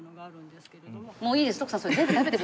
もういいです。